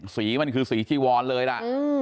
สีมันคือสีจีวอนเลยล่ะ